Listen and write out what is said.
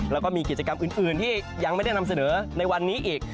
แล้วก็มีกิจกรรมอื่นที่ยังไม่ได้นำเสนอในวันนี้อีก